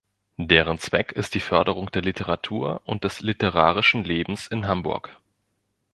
Deren Zweck ist die Förderung der Literatur und des literarischen Lebens in Hamburg.